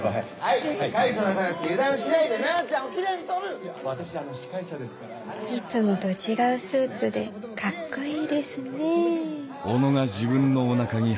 いつもと違うスーツでカッコいいですねぇ。